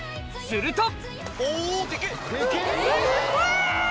すると！